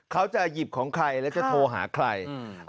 เขาจะหยิบของใครแล้วจะโทรหาใคร